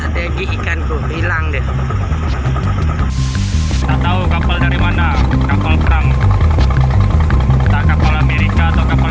lagi ikanku hilang deh tahu kapal dari mana kapal perang tak kapal amerika atau kapal